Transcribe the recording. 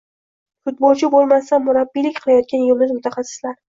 Futbolchi bo‘lmasdan murabbiylik qilayotgan yulduz mutaxassislar